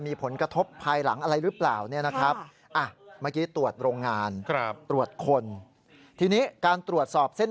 ไม่ได้แปลว่าเลิกตรวจเลยนะใช่ใช่ตรวจเรื่อย